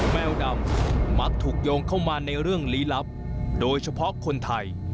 แมวดำมักถูกโยงเข้ามาในเรื่องลี้ลับโดยเฉพาะคนไทย